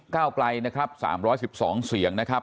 ก้าวไกลนะครับ๓๑๒เสียงนะครับ